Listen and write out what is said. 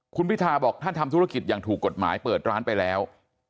คุณพิทาบอกท่านทำธุรกิจอย่างถูกกฎหมายเปิดร้านไปแล้ว